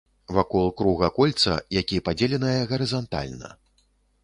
Вакол круга кольца, які падзеленае гарызантальна.